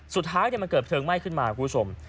สุดท้ายมันเกิดเพลิงไหม้ขึ้นมาคุณผู้ชม